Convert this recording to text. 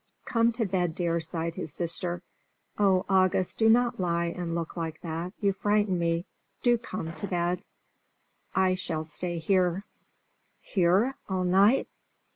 "Come to bed, dear," sighed his sister. "Oh, August, do not lie and look like that! you frighten me. Do come to bed." "I shall stay here." "Here! all night!"